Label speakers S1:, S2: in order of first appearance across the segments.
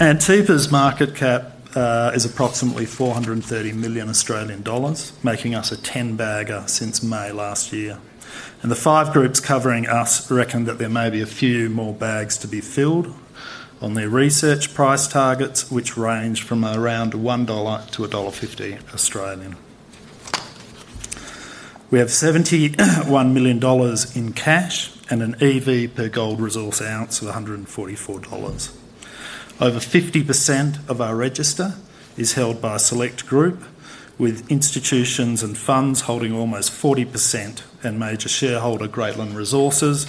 S1: Antipa's market cap is approximately 430 million Australian dollars, making us a ten-bagger since May last year. The five groups covering us reckon that there may be a few more bags to be filled on their research price targets, which range from around 1 dollar to 1.50 Australian dollars. We have 71 million dollars in cash and an EV per gold resource ounce of 144 dollars. Over 50% of our register is held by Select Group, with institutions and funds holding almost 40%, and major shareholder Greatland Resources,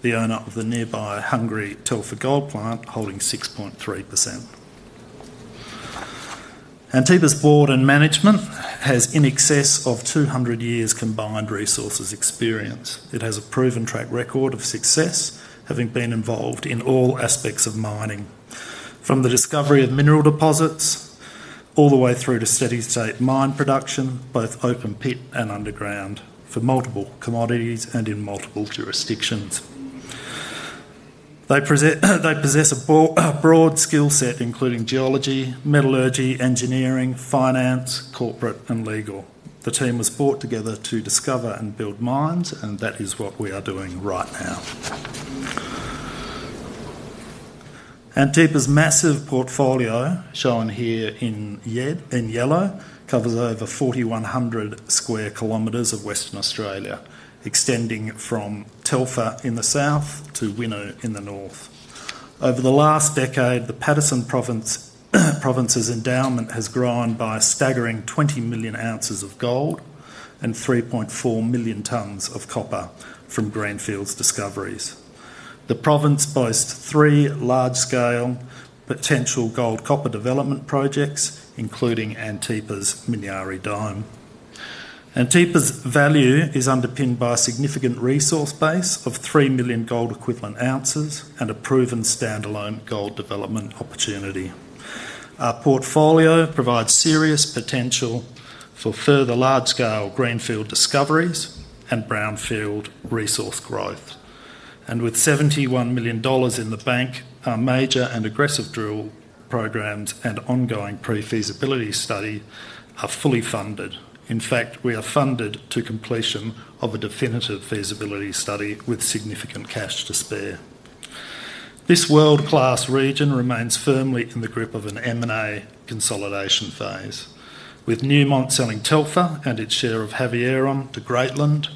S1: the owner of the nearby Telfer Gold Plant, holding 6.3%. Antipa's board and management has in excess of 200 years combined resources experience. It has a proven track record of success, having been involved in all aspects of mining, from the discovery of mineral deposits all the way through to steady-state mine production, both open pit and underground, for multiple commodities and in multiple jurisdictions. They possess a broad skill set, including geology, metallurgy, engineering, finance, corporate, and legal. The team was brought together to discover and build mines, and that is what we are doing right now. Antipa's massive portfolio, shown here in yellow, covers over 4,100 sq km of Western Australia, extending from Telfer in the south to Winu in the north. Over the last decade, the Paterson Province's endowment has grown by a staggering 20 million oz of gold and 3.4 million tons of copper from Greatland discoveries. The province boasts three large-scale potential gold-copper development projects, including Antipa's Minyari Dome. Antipa's value is underpinned by a significant resource base of 3 million gold-equivalent oz and a proven standalone gold development opportunity. Our portfolio provides serious potential for further large-scale greenfield discoveries and brownfield resource growth. With 71 million dollars in the bank, our major and aggressive drill programs and ongoing pre-feasibility study are fully funded. In fact, we are funded to completion of a definitive feasibility study with significant cash to spare. This world-class region remains firmly in the grip of an M&A consolidation phase, with Newmont Corporation selling Telfer and its share of Havieron to Greatland,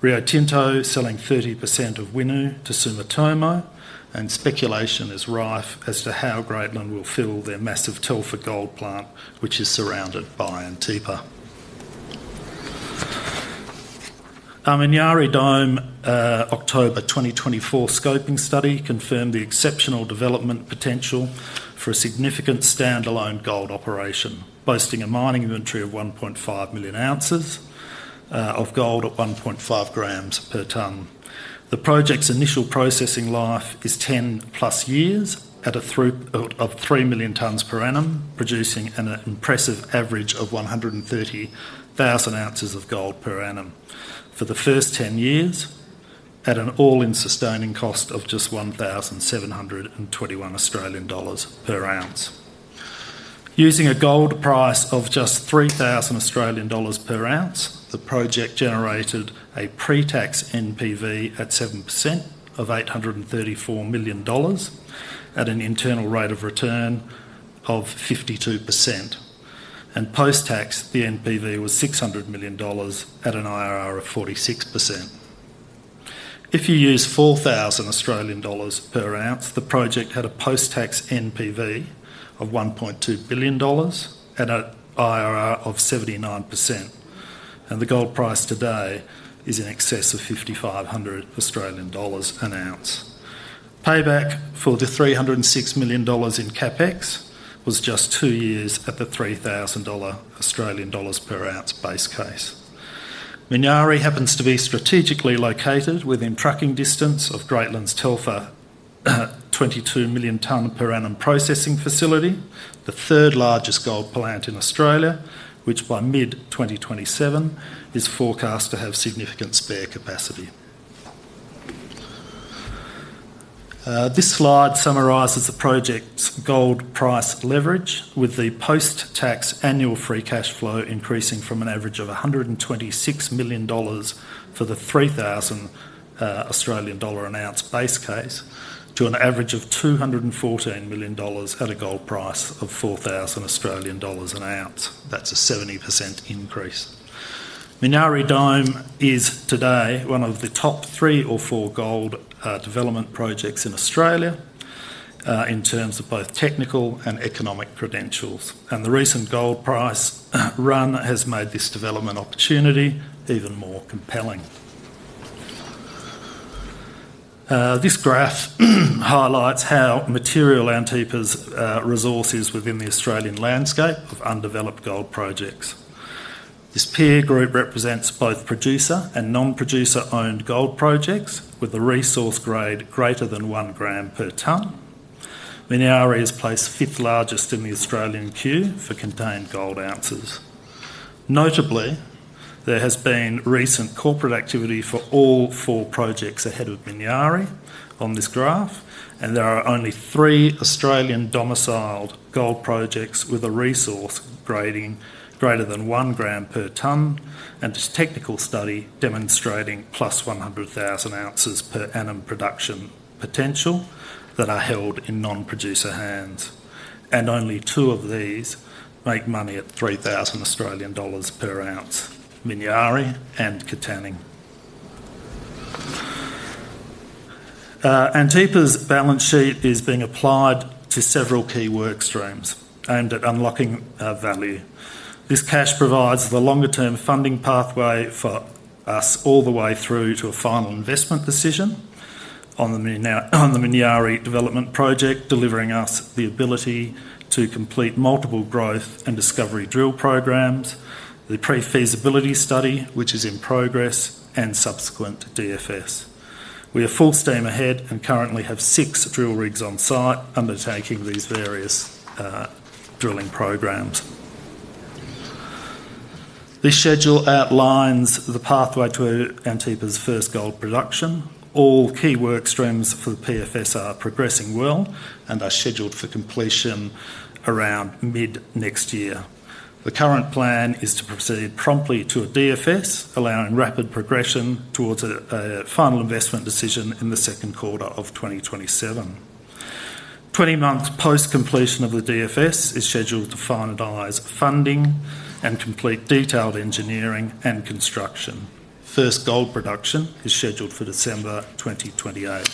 S1: Rio Tinto selling 30% of Winu to Sumitomo, and speculation is rife as to how Greatland will fill their massive Telfer Gold Plant, which is surrounded by Antipa. Our Minyari Dome October 2024 scoping study confirmed the exceptional development potential for a significant standalone gold operation, boasting a mining inventory of 1.5 million oz of gold at 1.5 g per ton. The project's initial processing life is 10+ years at a throughput of 3 million tons/annum, producing an impressive average of 130,000 oz of gold/annum for the first 10 years, at an all-in sustaining cost of just 1,721 Australian dollars/oz. Using a gold price of just 3,000 Australian dollars/oz, the project generated a pre-tax NPV at 7% of 834 million dollars at an internal rate of return of 52%, and post-tax, the NPV was 600 million dollars at an IRR of 46%. If you use 4,000 Australian dollars/oz, the project had a post-tax NPV of 1.2 billion dollars at an IRR of 79%, and the gold price today is in excess of 5,500 Australian dollars an oz. Payback for just AUD 306 million in CapEx was just two years at the 3,000 Australian dollars/oz base case. Minyari happens to be strategically located within trucking distance of Greatland Telfer 22 million ton/annum processing facility, the third largest gold plant in Australia, which by mid-2027 is forecast to have significant spare capacity. This slide summarizes the project's gold price leverage, with the post-tax annual free cash flow increasing from an average of 126 million dollars for the 3,000 Australian dollar an oz base case to an average of 214 million dollars at a gold price of 4,000 Australian dollars an oz. That's a 70% increase. Minyari Dome is today one of the top three or four gold development projects in Australia in terms of both technical and economic credentials, and the recent gold price run has made this development opportunity even more compelling. This graph highlights how material Antipa's resources are within the Australian landscape of undeveloped gold projects. This peer group represents both producer and non-producer-owned gold projects with a resource grade greater than 1 g/ton. Minyari is placed fifth largest in the Australian queue for contained gold oz. Notably, there has been recent corporate activity for all four projects ahead of Minyari on this graph, and there are only three Australian domiciled gold projects with a resource grading greater than 1 g/ton and a technical study demonstrating +100,000/annum production potential that are held in non-producer hands, and only two of these make money at 3,000 Australian dollars/oz: Minyari and Catani. Antipa's balance sheet is being applied to several key work streams aimed at unlocking value. This cash provides the longer-term funding pathway for us all the way through to a final investment decision on the Minyari development project, delivering us the ability to complete multiple growth and discovery drill programs, the pre-feasibility study, which is in progress, and subsequent DFS. We are full steam ahead and currently have six drill rigs on site undertaking these various drilling programs. This schedule outlines the pathway to Antipa's first gold production. All key work streams for the PFS are progressing well and are scheduled for completion around mid-next year. The current plan is to proceed promptly to a DFS, allowing rapid progression towards a final investment decision in the second quarter of 2027. Twenty months post-completion of the DFS is scheduled to finalize funding and complete detailed engineering and construction. First gold production is scheduled for December 2028.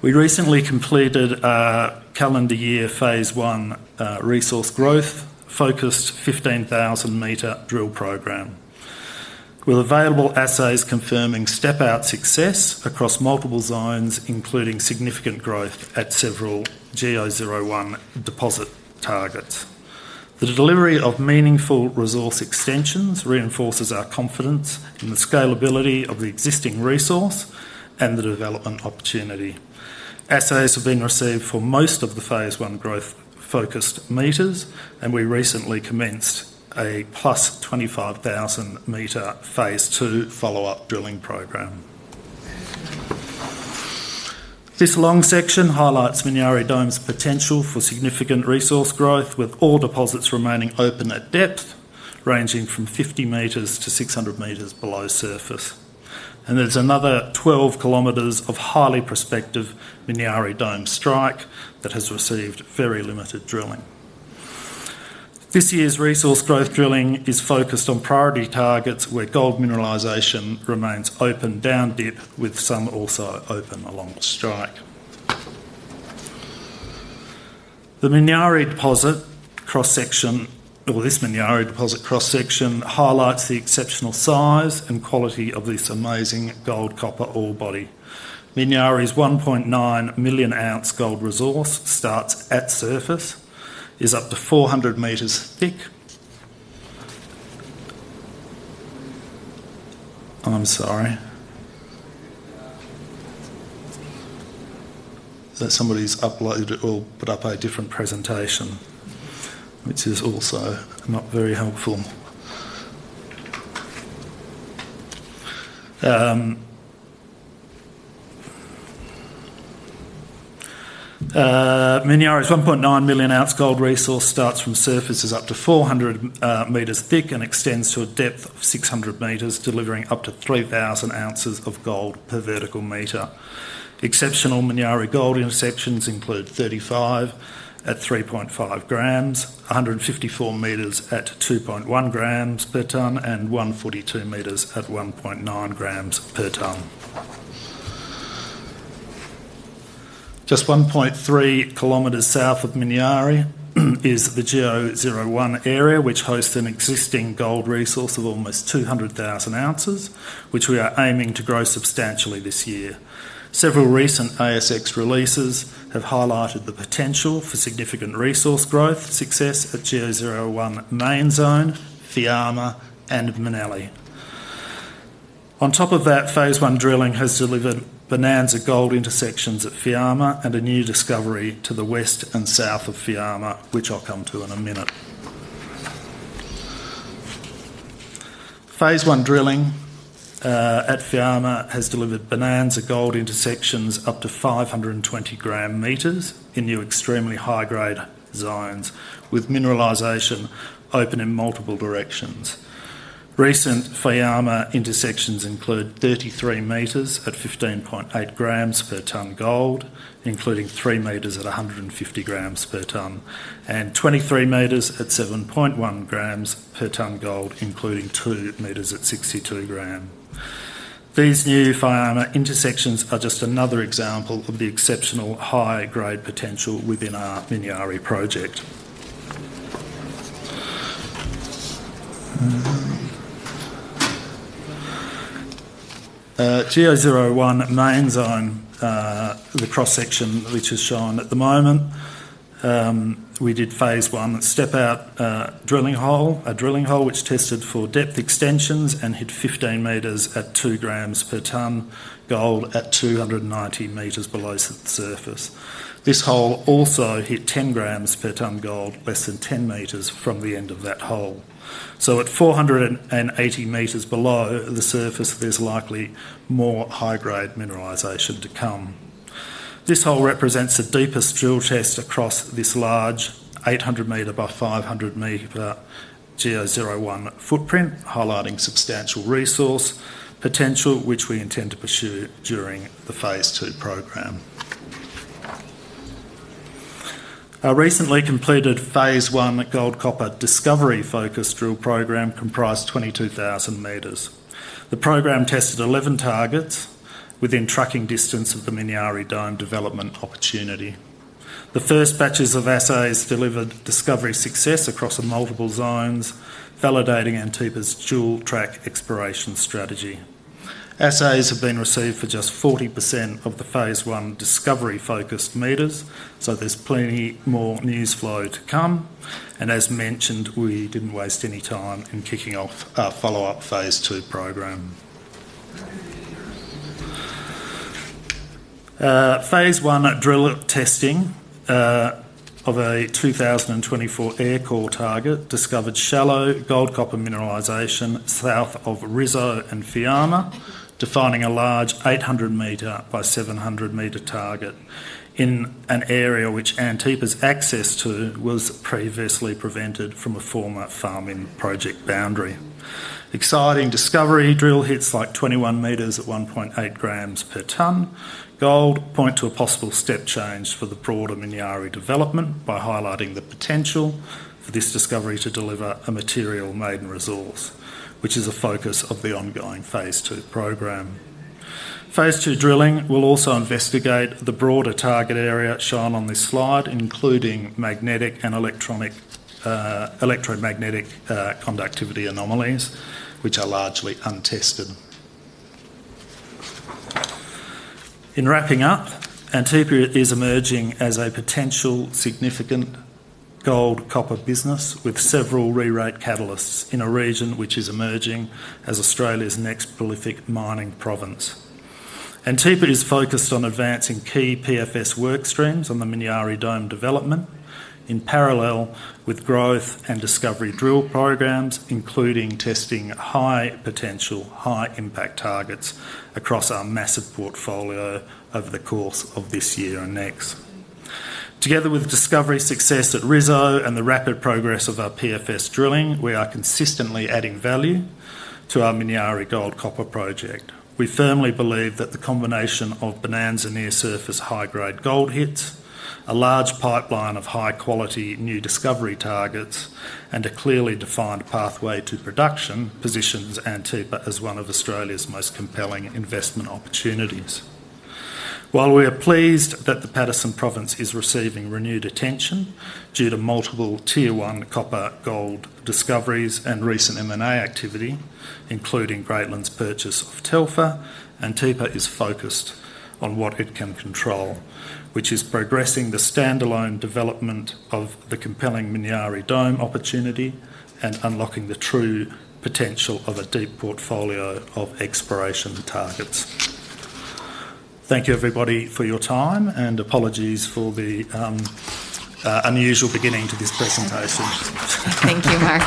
S1: We recently completed a calendar year phase one resource growth-focused 15,000-m drill program, with available assays confirming step-out success across multiple zones, including significant growth at several GO-01 deposit targets. The delivery of meaningful resource extensions reinforces our confidence in the scalability of the existing resource and the development opportunity. Assays have been received for most of the phase I growth-focused meters, and we recently commenced a plus 25,000-m phase II follow-up drilling program. This long section highlights Minyari Dome's potential for significant resource growth, with all deposits remaining open at depth ranging from 50 m-600 m below surface. There is another 12 km of highly prospective Minyari Dome strike that has received very limited drilling. This year's resource growth drilling is focused on priority targets where gold mineralization remains open down dip, with some also open along the strike. The Minyari deposit cross-section, or this Minyari deposit cross-section, highlights the exceptional size and quality of this amazing gold-copper ore body. Minyari's 1.9 million oz gold resource starts at surface, is up to 400 m-thick. I'm sorry. Somebody's uploaded or put up a different presentation, which is also not very helpful. Minyari's 1.9 million oz gold resource starts from surface, is up to 400 m-thick, and extends to a depth of 600 m, delivering up to 3,000 oz of gold/vertical m. Exceptional Minyari gold intersections include 35 m at 3.5 g/ton, 154 m at 2.1 g/ton, and 142 m at 1.9 g/ton. Just 1.3 km south of Minyari is the GO-01 area, which hosts an existing gold resource of almost 200,000 oz, which we are aiming to grow substantially this year. Several recent ASX releases have highlighted the potential for significant resource growth success at GO-01 main zone, Fiama, and Minella. On top of that, phase one drilling has delivered bonanza gold intersections at Fiama and a new discovery to the west and south of Fiama, which I'll come to in a minute. Phase I drilling at Fiama has delivered bonanza gold intersections up to 520 g-m in new extremely high-grade zones, with mineralization open in multiple directions. Recent Fiama intersections include 33 m at 15.8 g/ton gold, including 3 m at 150 g/ton, and 23 m at 7.1 g/ton gold, including 2 m at 62 g/ton. These new Fiama intersections are just another example of the exceptional high-grade potential within our Minyari project. GO-01 main zone, the cross-section which is shown at the moment, we did phase I step-out drilling hole, a drilling hole which tested for depth extensions and hit 15 m at 2 g/ton gold at 290 m below the surface. This hole also hit 10 g/ton gold less than 10 m from the end of that hole. At 480 m below the surface, there's likely more high-grade mineralization to come. This hole represents the deepest drill test across this large 800-m by 500-m GO-01 footprint, highlighting substantial resource potential, which we intend to pursue during the phase II program. Our recently completed phase I gold-copper discovery-focused drill program comprised 22,000 m. The program tested 11 targets within trucking distance of the Minyari Dome development opportunity. The first batches of assays delivered discovery success across multiple zones, validating Antipa's dual track exploration strategy. Assays have been received for just 40% of the phase one discovery-focused meters, so there's plenty more news flow to come. We didn't waste any time in kicking off our follow-up phase II program. Phase I drill testing of a 2024 aircore target discovered shallow gold-copper mineralization south of Rizzo and Fiama, defining a large 800-m by 700-m target in an area which Antipa's access to was previously prevented from a former farming project boundary. Exciting discovery drill hits like 21 m at 1.8 g/ton gold point to a possible step change for the broader Minyari development by highlighting the potential for this discovery to deliver a material maiden resource, which is a focus of the ongoing phase II program. Phase II drilling will also investigate the broader target area shown on this slide, including magnetic and electromagnetic conductivity anomalies, which are largely untested. In wrapping up, Antipa is emerging as a potential significant gold-copper business with several rerate catalysts in a region which is emerging as Australia's next prolific mining province. Antipa is focused on advancing key PFS work streams on the Minyari Dome development in parallel with growth and discovery drill programs, including testing high potential, high impact targets across our massive portfolio over the course of this year and next. Together with discovery success at Rizzo and the rapid progress of our PFS drilling, we are consistently adding value to our Minyari gold-copper project. We firmly believe that the combination of bonanza near surface high-grade gold hits, a large pipeline of high-quality new discovery targets, and a clearly defined pathway to production positions Antipa as one of Australia's most compelling investment opportunities. While we are pleased that the Paterson Province is receiving renewed attention due to multiple tier one copper-gold discoveries and recent M&A activity, including Greatland's purchase of the Telfer, Antipa is focused on what it can control, which is progressing the standalone development of the compelling Minyari Dome opportunity and unlocking the true potential of a deep portfolio of exploration targets. Thank you, everybody, for your time, and apologies for the unusual beginning to this presentation.
S2: Thank you, Mark.